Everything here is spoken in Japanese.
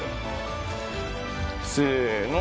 せの！